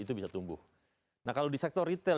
itu bisa tumbuh nah kalau di sektor retail